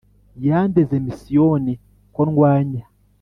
Yandeze Misiyoni ko ndwanya